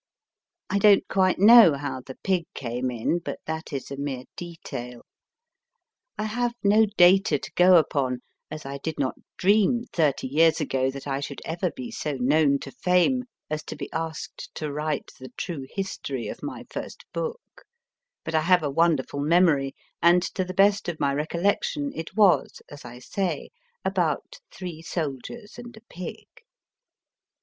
I don t quite know 3> ,. > Jtfte S^^ *.{ ,!< /.., kT THREE SOLDIERS AND A PIG how the pig came in, but that is a me4 e detail. I have no data to go upon (as I did not dream thirty years ago that I should ever be so known to fame as to be asked to write the true history of my first book), but I have a wonderful memory, 2 4 o MY FIRST BOOK and to the best of my recollection it was, as I say, about three soldiers and a pig.